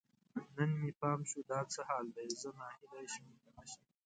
نن مې پام شو، دا څه حال دی؟ زه ناهیلی شم که نه شم